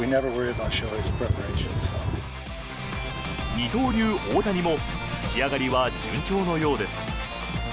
二刀流・大谷も仕上がりは順調のようです。